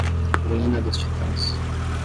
Ruína dos titãs